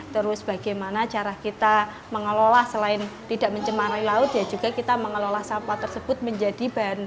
terus bagaimana cara kita mengelola selain tidak mencemari laut ya juga kita mengelola sampah tersebut menjadi bahan